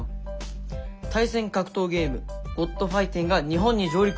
「対戦格闘ゲーム『ｇｏｄファイティン』が日本に上陸！」。